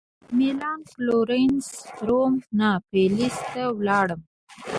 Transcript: مېلان فلورانس روم ناپلز ته ولاړم.